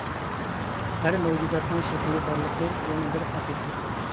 ھەر مەۋجۇداتنىڭ شەكلى بارلىقى يەنە بىر ھەقىقەت.